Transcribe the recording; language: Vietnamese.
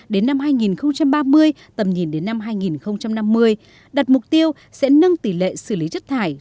đến năm hai nghìn ba mươi tầm nhìn đến năm hai nghìn năm mươi đặt mục tiêu sẽ nâng tỷ lệ xử lý chất thải